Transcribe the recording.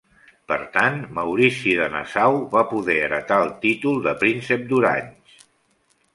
Per tant, Maurici de Nassau va poder heretar el títol de Príncep d'Orange.